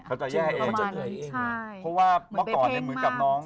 เขาจะแย่เองเพราะว่าเมื่อก่อนเหมือนกับน้อง